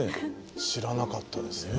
知らなかったですね。